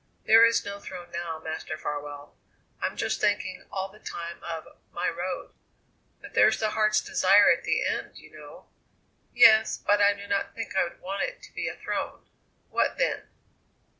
"There is no throne now, Master Farwell. I'm just thinking all the time of My Road." "But there's the Heart's Desire at the end, you know." "Yes; but I do not think I would want it to be a throne." "What then?"